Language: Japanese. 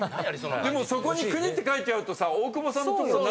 でもそこに「国」って書いちゃうと大久保さんの所。